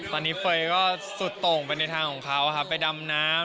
ตอนนี้เฟย์ก็สุดโต่งไปในทางของเขาครับไปดำน้ำ